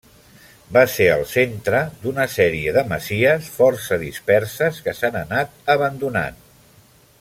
Va ser el centre d'una sèrie de masies força disperses que s'han anat abandonant.